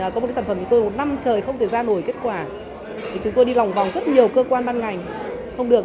có một sản phẩm của tôi một năm trời không thể ra nổi kết quả thì chúng tôi đi lòng vòng rất nhiều cơ quan ban ngành không được